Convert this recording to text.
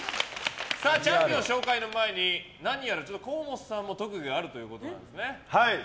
チャンピオン紹介の前に何やら、河本さんも特技があるということなんですね。